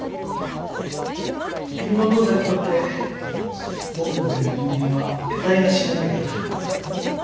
君のお父さんにとって僕みたいな人間はえたいが知れないから怖いんだと思う。